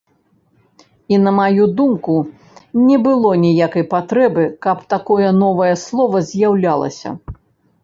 І на маю думку, не было ніякай патрэбы, каб такое новае слова з'яўлялася.